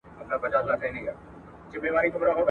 ښوونځي ماشومانو ته د تصمیم نیولو تمرین ورکوي.